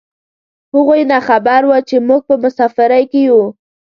هغوی نه خبر و چې موږ په مسافرۍ کې یو.